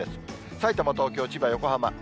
さいたま、東京、千葉、横浜。